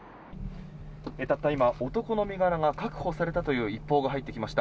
たった今男の身柄が確保されたとの一報が入ってきました。